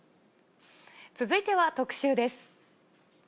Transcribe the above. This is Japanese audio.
続いては特集です。